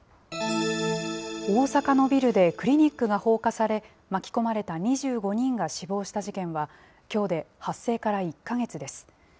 大阪のビルでクリニックが放火され、巻き込まれた２５人が死亡した事件は、きょうで発生から１か月です。